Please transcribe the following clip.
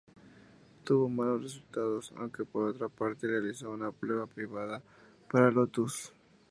Tuvo malos resultados, aunque por otra parte realizó una prueba privada para Lotus.